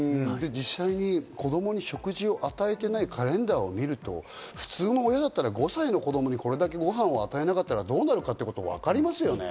実際、子供に食事を与えていないカレンダーを見ると、普通の親だったら５歳の子供にこれだけご飯を与えなかったらどうなるかってわかりますよね。